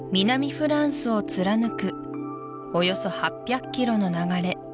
フランスを貫くおよそ８００ｋｍの流れ